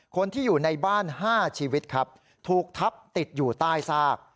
คนที่อยู่ในบ้าน๕ชีวิตครับถูกทับติดอยู่ใต้ซาก